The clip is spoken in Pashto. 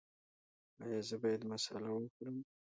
ایا زه باید مساله وخورم؟